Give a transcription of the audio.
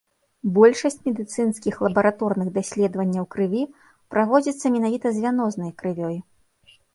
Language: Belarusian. Большасць медыцынскіх лабараторных даследаванняў крыві праводзіцца менавіта з вянознай крывёй.